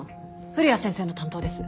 古谷先生の担当です。